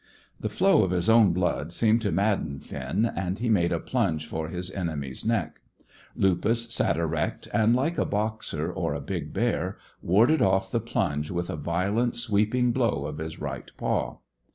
The flow of his own blood seemed to madden Finn, and he made a plunge for his enemy's neck. Lupus sat erect, and, like a boxer, or a big bear, warded off the plunge with a violent, sweeping blow of his right paw.